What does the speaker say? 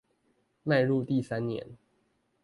邁入第三年